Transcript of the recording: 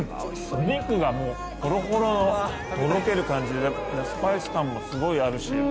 お肉がもうほろほろのとろける感じでスパイス感もすごいあるし。